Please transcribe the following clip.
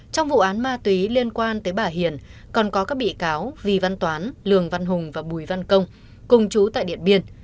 trong vụ án ma túy liên quan tới bà hiền còn có các bị cáo vì văn toán lường văn hùng và bùi văn công cùng chú tại điện biên